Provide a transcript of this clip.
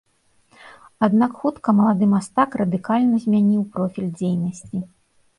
Аднак хутка малады мастак радыкальна змяніў профіль дзейнасці.